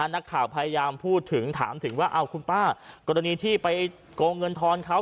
นักข่าวพยายามพูดถึงถามถึงว่าคุณป้ากรณีที่ไปโกงเงินทอนเขา